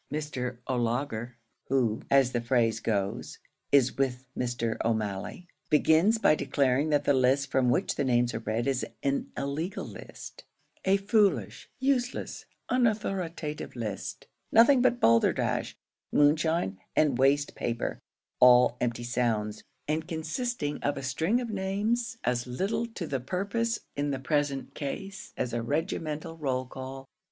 Mr. O'Laugher, who, as the phrase goes, is with Mr. O'Malley, begins by declaring that the list from which the names are read is an illegal list a foolish, useless, unauthoritative list nothing but balderdash, moonshine, and waste paper all empty sounds, and consisting of a string of names as little to the purpose in the present case as a regimental roll call.